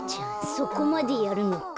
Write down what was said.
そこまでやるのか。